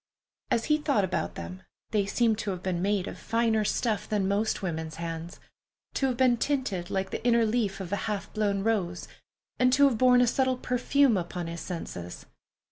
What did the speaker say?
As he thought about them, they seemed to have been made of finer stuff than most women's hands; to have been tinted like the inner leaf of a half blown rose, and to have borne a subtle perfume upon his senses.